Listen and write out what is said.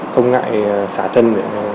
không ngại xả chân